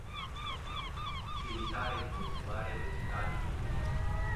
Evitare di consumare vegetali crudi.